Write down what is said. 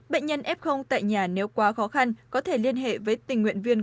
bệnh nhân f tại nhà nếu quá khó khăn có thể liên hệ với tình nguyện viên